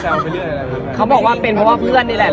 การ์นเค้าบอกว่าเพื่อนหรือละ